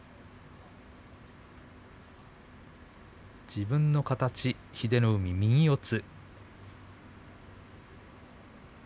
自分の形、英乃海、右四つ。